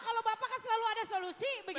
kalau bapak kan selalu ada solusi begitu